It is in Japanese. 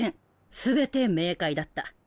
全て明快だった。